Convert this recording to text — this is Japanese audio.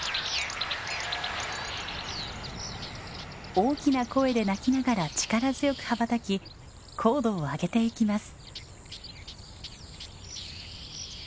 大きな声で鳴きながら力強く羽ばたき高度を上げてゆきます。